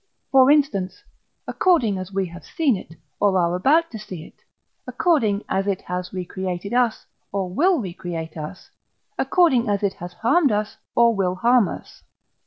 For instance, according as we have seen it, or are about to see it, according as it has recreated us, or will recreate us, according as it has harmed us, or will harm us.